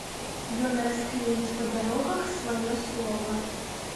Ён расклеіць па дарогах сваё слова.